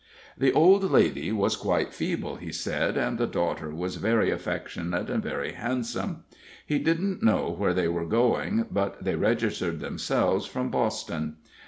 The old lady was quite feeble, he said, and the daughter was very affectionate and very handsome. He didn't know where they were going, but they registered themselves from Boston.